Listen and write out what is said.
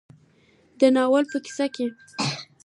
د ناول په کيسه کې